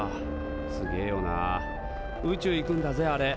すげえよな宇宙行くんだぜあれ。